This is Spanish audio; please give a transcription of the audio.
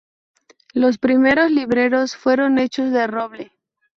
Los primeros libreros fueron hechos de roble.